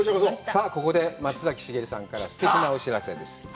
さあここで松崎しげるさんからすてきなお知らせです。